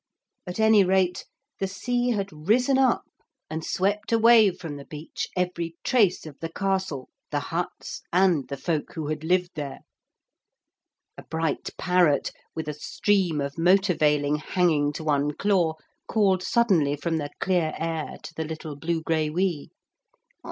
At any rate the sea had risen up and swept away from the beach every trace of the castle, the huts and the folk who had lived there. A bright parrot, with a streamer of motor veiling hanging to one claw, called suddenly from the clear air to the little blugraiwee.